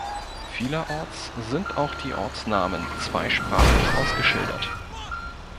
Vielerorts sind auch die Ortsnamen zweisprachig ausgeschildert.